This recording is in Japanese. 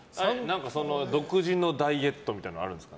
独自のダイエットみたいなのあるんですか？